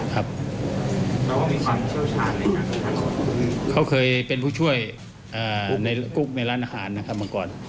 เขาเคยเป็นผู้ช่วยกุ๊กในร้านอาหารบางก่อน